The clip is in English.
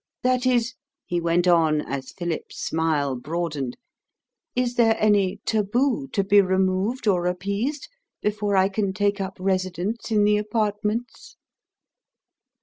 That is," he went on, as Philip's smile broadened, "is there any taboo to be removed or appeased before I can take up my residence in the apartments?"